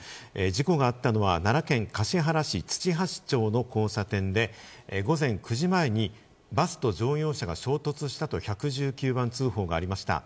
事故があったのは奈良県橿原市土橋町の交差点で、午前９時前にバスと乗用車が衝突したと１１９番通報がありました。